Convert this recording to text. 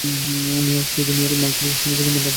New York City mayor Michael Bloomberg মেলার উদ্বোধন করেন।